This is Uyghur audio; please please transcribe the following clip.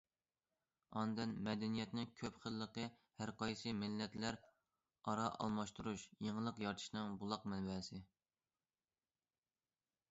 ئاندىن، مەدەنىيەتنىڭ كۆپ خىللىقى ھەرقايسى مىللەتلەر ئارا ئالماشتۇرۇش، يېڭىلىق يارىتىشنىڭ بۇلاق مەنبەسى.